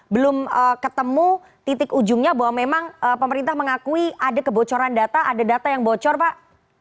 belum ketemu titik ujungnya bahwa memang pemerintah mengakui ada kebocoran data ada data yang bocor pak